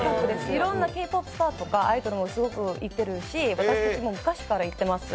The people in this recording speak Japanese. いろんなＫ−ＰＯＰスターとかアイドルも行ってますし私たちも昔から行っています。